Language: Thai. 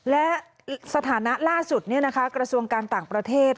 และสถานะล่าสุดกระทรวงการต่างประเทศ